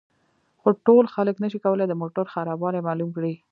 خو ټول خلک نشي کولای د موټر خرابوالی معلوم کړي